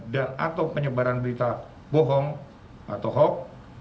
dan atau penyebaran berita bohong atau hoax